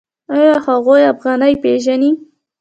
آیا هغوی افغانۍ پیژني؟